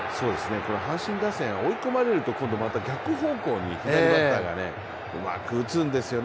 阪神打線追い込まれるとまた逆方向に左バッターがうまく打つんですよね。